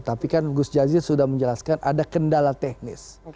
tapi kan gus jazil sudah menjelaskan ada kendala teknis